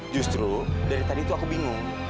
justru dari tadi itu aku bingung